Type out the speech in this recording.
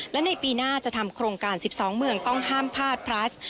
และในปีหน้าจะทำโครงการ๑๒เมืองต้องห้ามพลาดพลัส